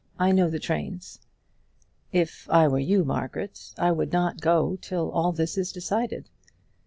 I know the trains." "If I were you, Margaret, I would not go till all this is decided."